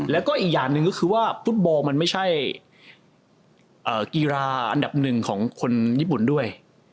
แล้วก็อีกอย่างหนึ่งก็คือว่าฟุตบอลมันไม่ใช่กีฬาอันดับหนึ่งของคนญี่ปุ่นด้วย